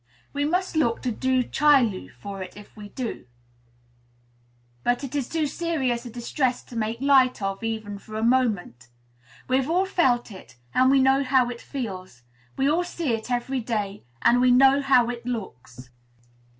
We must look to Du Chaillu for it, if we do; but it is too serious a distress to make light of, even for a moment. We have all felt it, and we know how it feels; we all see it every day, and we know how it looks.